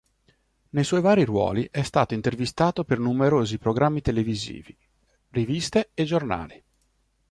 Nei suoi vari ruoli è stato intervistato per numerosi programmi televisivi, riviste e giornali.